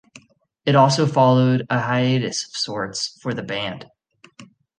It also followed a hiatus of sorts for the band.